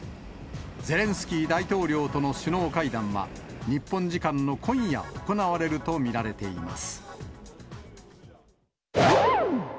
ゼレンスキー大統領との首脳会談は、日本時間の今夜、行われると見られています。